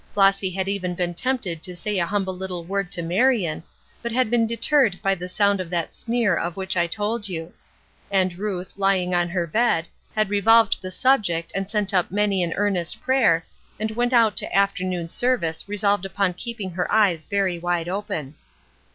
Flossy had even been tempted to say a humble little word to Marion, but had been deterred by the sound of that sneer of which I told you; and Ruth, lying on her bed, had revolved the subject and sent up many an earnest prayer, and went out to afternoon service resolved upon keeping her eyes very wide open.